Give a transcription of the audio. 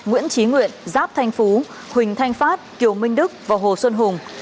nguyễn trí nguyện giáp thanh phú huỳnh thanh phát kiều minh đức và hồ xuân hùng